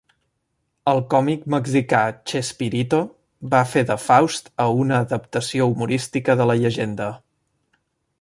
El còmic mexicà Chespirito va fer de Faust a una adaptació humorística de la llegenda.